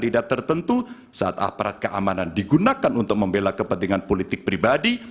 tidak tertentu saat aparat keamanan digunakan untuk membela kepentingan politik pribadi